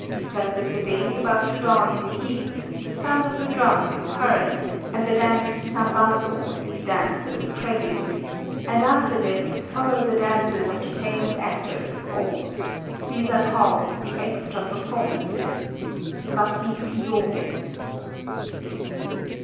Just as the day is about to dawn in the east, the sound of the drum is heard, and the dance Sambasô is danced as a prelude, and after this follow the dances of the famous actors of old; these are called the extra performances (waki kiyôgen).